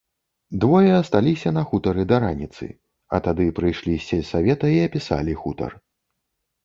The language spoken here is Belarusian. Двое асталіся на хутары да раніцы, а тады прыйшлі з сельсавета і апісалі хутар.